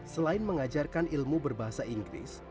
selain mengajarkan ilmu berbahasa inggris